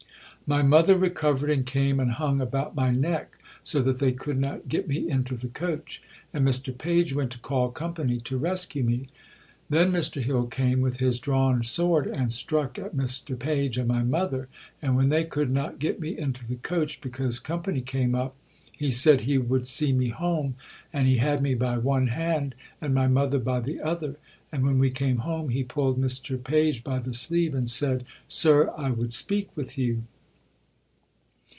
"'My mother recovered and came and hung about my neck, so that they could not get me into the coach, and Mr Page went to call company to rescue me. Then Mr Hill came with his drawn sword and struck at Mr Page and my mother; and when they could not get me into the coach because company came up, he said he would see me home, and he had me by one hand and my mother by the other. And when we came home he pulled Mr Page by the sleeve and said, "Sir, I would speak with you."'